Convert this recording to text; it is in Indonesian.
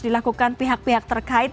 dilakukan pihak pihak terkait